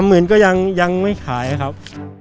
หมื่นก็ยังไม่ขายครับ